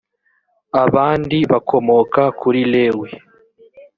abandi bakomoka kuri lewi